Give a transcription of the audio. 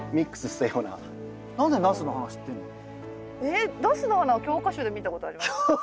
ナスの花は教科書で見たことあります。